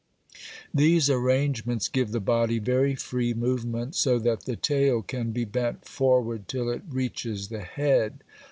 These arrangements give the body very free movement so that the tail can be bent forward till it reaches the head.